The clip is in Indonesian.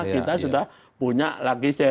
kita sudah punya lagi